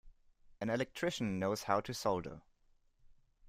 An electrician knows how to solder.